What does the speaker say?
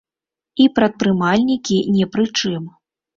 І прадпрымальнікі не пры чым.